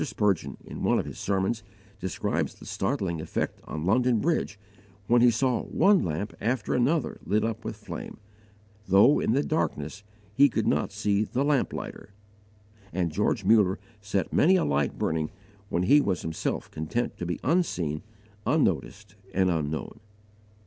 Spurgeon, in one of his sermons, describes the startling effect on London Bridge when he saw one lamp after another lit up with flame, though in the darkness he could not see the lamplighter; and George Muller set many a light burning when he was himself content to be unseen, unnoticed, and unknown.